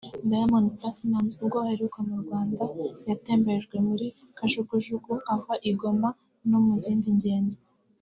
Diamond Platnumz ubwo aheruka mu Rwanda yatemberejwe muri Kajugujugu ava i Goma no mu zindi ngendo